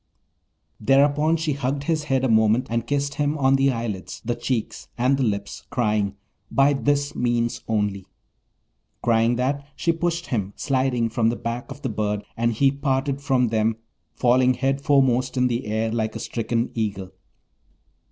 Thereupon she hugged his head a moment, and kissed him on the eyelids, the cheeks, and the lips, crying, 'By this means only!' Crying that, she pushed him, sliding, from the back of the bird, and he parted from them, falling headforemost in the air like a stricken eagle.